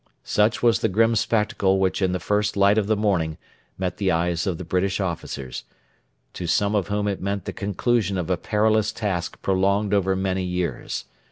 Such was the grim spectacle which in the first light of the morning met the eyes of the British officers, to some of whom it meant the conclusion of a perilous task prolonged over many years.